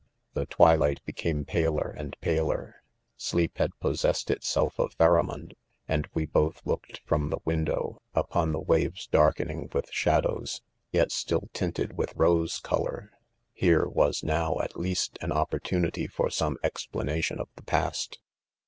: 4 The twilight became paler and paler : sleep had possessed itself of Pharamond, and we both looked fr^p ; :|i|e windoWy.upon:the waves dark * ening with. shadows, yet still tinted with rose color* Herewas; now, at. leas V an opportuni ty for some explanation of the past.